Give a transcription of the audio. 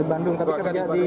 bandung tapi kerja di